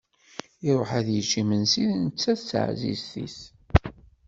Iruḥ ad yečč imensi netta d teɛzizt-is.